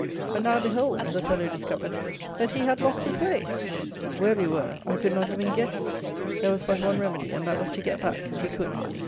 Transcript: But, now behold, the fellow discovered, that he had lost his way! Where we were I could not even guess. There was but one remedy, and that was to get back, if we could.